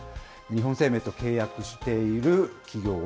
日本生命と契約している企業